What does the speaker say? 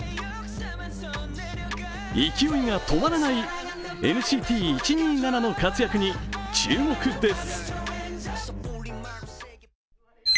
勢いが止まらないＮＣＴ１２７の活躍に注目です。